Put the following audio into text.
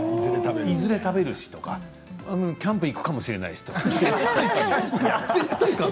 いずれ食べる時とかキャンプに行くかもしれないしとか。